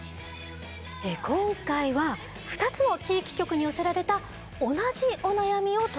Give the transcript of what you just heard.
今回は２つの地域局に寄せられた同じお悩みを取り上げていきます。